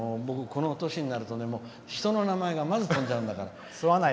もう、この年になると人の名前が飛んじゃうんだから。